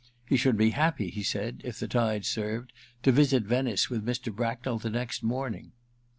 He should be happy, he said, if the tide served, to visit Venice with Mr. Bracknell the next morning.